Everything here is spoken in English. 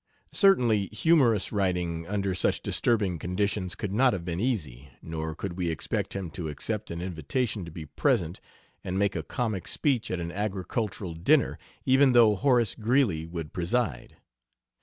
Certainly, humorous writing under such disturbing conditions could not have been easy, nor could we expect him to accept an invitation to be present and make a comic speech at an agricultural dinner, even though Horace Greeley would preside.